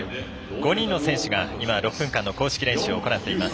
５人の選手が今６分間の公式練習を行っています。